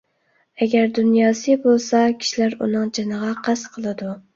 ئەگەر دۇنياسى بولسا، كىشىلەر ئۇنىڭ جېنىغا قەست قىلىدۇ.